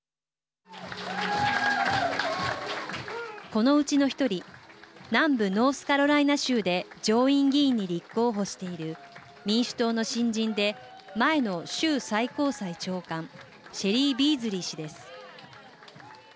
このうちの１人南部ノースカロライナ州で上院議員に立候補している民主党の新人で前の州最高裁長官シェリー・ビーズリー氏です。